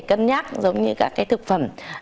cân nhắc giống như các thực phẩm